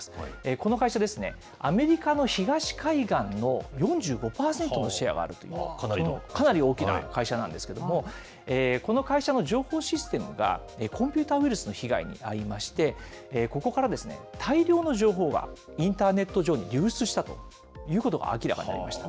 この会社ですね、アメリカの東海岸の４５％のシェアがあるという、かなり大きな会社なんですけれども、この会社の情報システムがコンピューターウイルスの被害に遭いまして、ここから大量の情報がインターネット上に流出したということが明らかになりました。